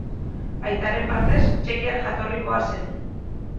Aitaren partez, txekiar jatorrikoa zen.